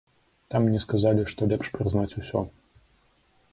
Там мне сказалі, што лепш прызнаць усё.